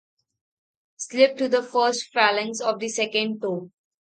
Slip to first phalanx of the second toe.